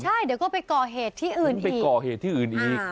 ใช่เดี๋ยวก็ไปก่อเหตุที่อื่นอีก